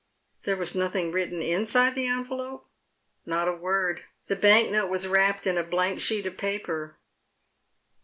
"There was nothing written inside the envelope? "" Not a word. The bank note was wrapped in a blank sheet of paper."